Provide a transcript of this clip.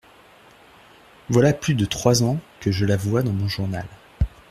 Voilà plus de trois ans que je la vois dans mon journal…